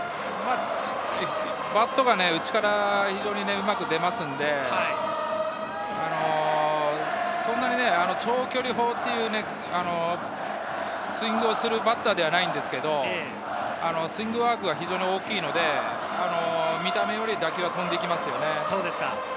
バットが内からうまく出ますので、そんなに長距離砲というスイングをするバッターではないんですけれど、スイングワークが大きいので、見た目より打球が飛んで行きますよね。